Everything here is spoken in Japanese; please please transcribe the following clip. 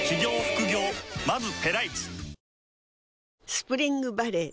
スプリングバレー